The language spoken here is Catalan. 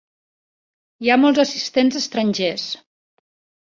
Hi ha molts assistents estrangers.